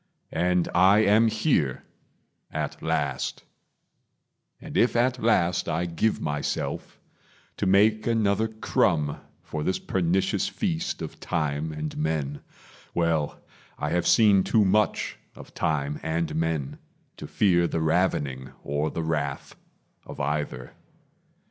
And I am here, at last; and if at last I give myself to make another crumb For this pernicious feast of time and men Well, I have seen too much of time and men To fear the ravening or the wrath of either.